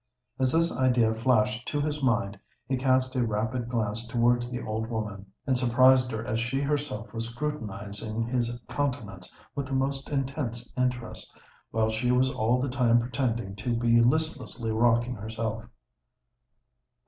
As this idea flashed to his mind, he cast a rapid glance towards the old woman; and surprised her as she herself was scrutinising his countenance with the most intense interest, while she was all the time pretending to be listlessly rocking her self.